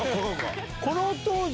この当時。